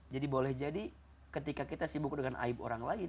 jadi boleh jadi ketika kita sibuk dengan aib orang lain